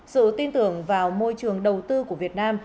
sự tin tưởng vào môi trường đầu tư của việt nam